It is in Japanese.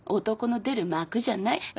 男の出る幕じゃない。